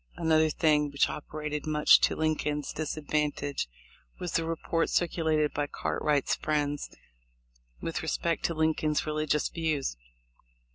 Another thing which operated much to Lincoln's THE LIFE OF LIXCOLX. 273 disadvantage was the report circulated by Cart wright's friends with respect to Lincoln's religious views.